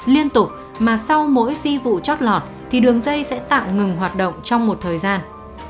liên tục mà sau mỗi phi vụ chót lọt thì đường dây sẽ tạm ngừng hoạt động trong một thời gian